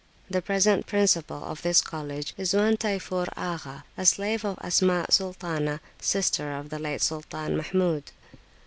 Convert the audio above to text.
The present principal of this college is one Tayfur Agha, a slave of Esma Sultanah, sister to the late Sultan Mahmud.